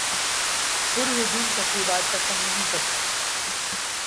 پر ہجوم تقریبات پسند نہیں کرتا